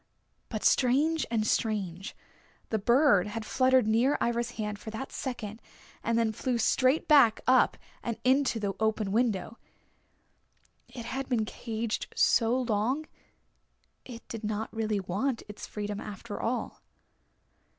But strange and strange, the bird had fluttered near Ivra's hand for that second, and then flew straight back up and into the open window. It had been caged so long it did not really want its freedom after all.